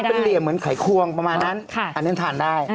เป็นเหลี่ยมเหมือนไขควงประมาณนั้นอันนี้ทานได้